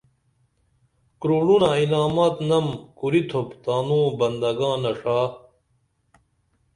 کرڑونہ انعمات نم کُریتُھوپ تانوں بندگانہ ݜا